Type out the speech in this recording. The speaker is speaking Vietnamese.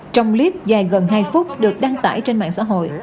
trong clip dài gần hai phút được đăng tải trên mạng xã hội